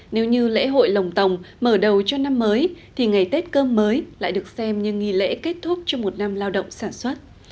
nếu như lễ hội lồng tồng mở đầu cho năm mới thì ngày tết cơm mới lại được xem như nghi lễ kết thúc cho một năm lao động sản xuất